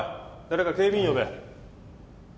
誰か警備員呼べ。